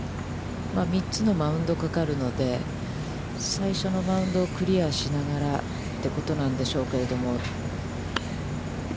３つのマウンドが係るので、最初のマウンドをクリアしながらということなんでしょうけれども。